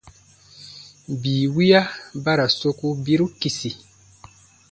Bii wiya ba ra soku biru kisi.